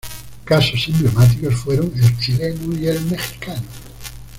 Casos emblemáticos fueron el chileno y el mexicano.